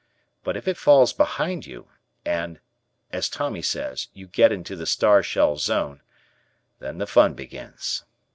But if it falls behind you and, as Tommy says, "you get into the star shell zone," then the fun begins.